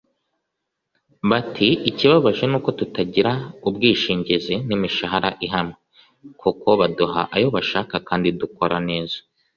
bati” ikibabaje ni uko tutagira ubwishingizi n’imishahara ihamwe kuko baduha ayo bashaka kandi dukora neza”